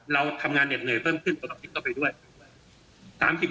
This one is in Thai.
เราทำงานเหน็ดเหนื่อยเพิ่มขึ้นปกติเข้าไปด้วย